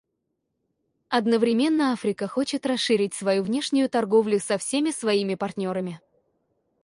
Одновременно Африка хочет расширить свою внешнюю торговлю со всеми своими партнерами.